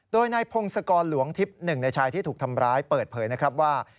โดยนายพงศกรหลวงทิพย์หนึ่งในชายที่ถูกทำร้ายเปิดเผยนะครับว่า